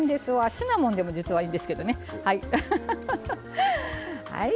シナモンでも実はいいんですけどね。